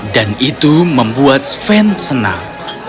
dan itu membuat sven senang